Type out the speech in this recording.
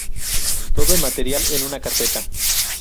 Todo el material en una carpeta.